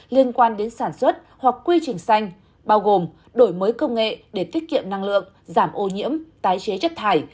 liên quan đến sản xuất hoặc quy trình xanh bao gồm đổi mới công nghệ để tiết kiệm năng lượng giảm ô nhiễm tái chế chất thải